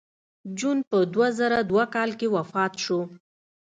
جون په دوه زره دوه کال کې وفات شو